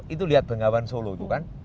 itu lihat bengawan solo itu kan